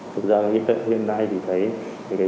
thực ra hiện nay